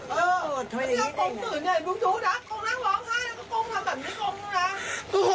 เหมือนกับบอกตัวไหนว่าเออ